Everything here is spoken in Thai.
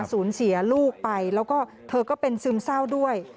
สูญเสียลูกไปแล้วก็เธอก็เป็นซึมเศร้าด้วย